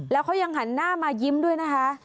แล้วเขายังหันหน้ามายิ้มด้วยนะคะ